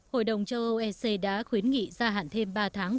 hội đồng châu âu ec đã khuyến nghị gia hạn thêm ba tháng